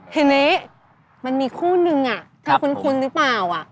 ทีนี้มันมีคู่นึงจะคุ้นหรือเปล่า